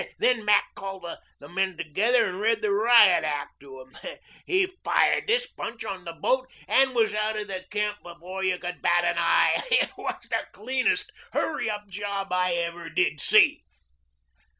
Then Mac called the men together and read the riot act to them. He fired this bunch on the boat and was out of the camp before you could bat an eye. It was the cleanest hurry up job I ever did see."